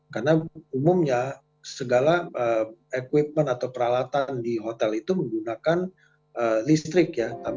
karena umumnya segala peralatan di hotel itu menggunakan listrik